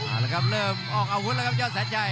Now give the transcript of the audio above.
เอาละครับเริ่มออกอาวุธแล้วครับยอดแสนชัย